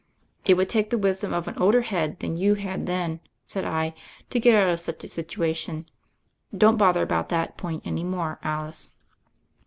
"It would take the wisdom of an older head than you had then," said I, "to get out of such a situation. Don't bother about that point any more, Alice."